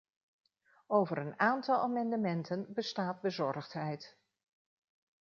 Over een aantal amendementen bestaat bezorgdheid.